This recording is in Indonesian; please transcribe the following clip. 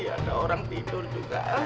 ada orang tidur juga